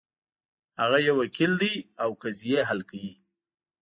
هغه یو وکیل ده او قضیې حل کوي